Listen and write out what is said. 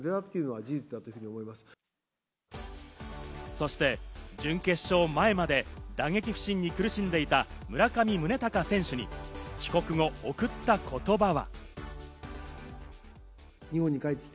そして準決勝前まで、打撃不振に苦しんでいた村上宗隆選手に帰国後、送った言葉は。